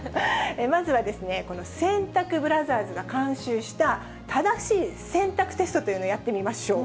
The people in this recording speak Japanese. まずは洗濯ブラザーズが監修した正しい洗濯テストというのをやってみましょう。